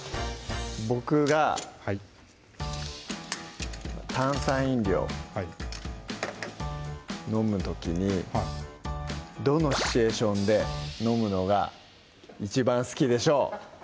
僕がはい炭酸飲料飲む時にどのシチュエーションで飲むのが一番好きでしょう？